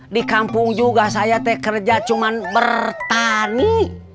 di kampung juga saya teh kerja cuman bertani